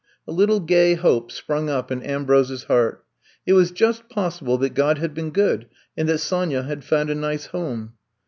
'' A little gay hope sprung up in Ambrose 's heart. It was just possible that God had been good and that Sonya had found a nice home.